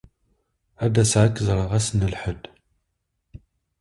Ad d-aseɣ ad k-ẓreɣ ass n Lḥedd.